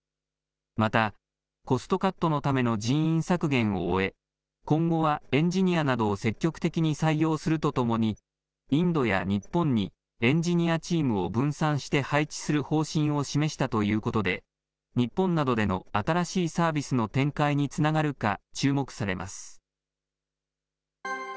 また、コストカットのための人員削減を終え、今後はエンジニアなどを積極的に採用するとともに、インドや日本にエンジニアチームを分散して配置する方針を示したということで、日本などでの新しいサービスの展開につながるか、注目されます。